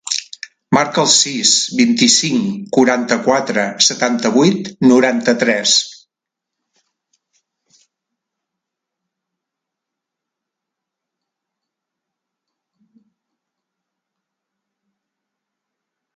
Marca el sis, vint-i-cinc, quaranta-quatre, setanta-vuit, noranta-tres.